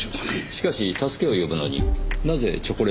しかし助けを呼ぶのになぜチョコレートでしょう？